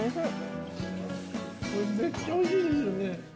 これめっちゃおいしいですよね